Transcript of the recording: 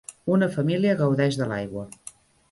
Una família gaudeix de l'aigua.